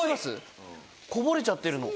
こぼれちゃってるの。